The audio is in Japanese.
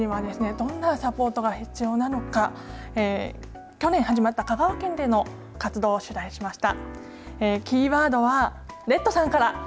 どんなサポートが必要なのか去年始まった香川県での活動を取材しました。